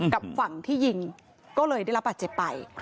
กับฝั่งที่ยิงก็เลยได้รับบาดเจ็บไป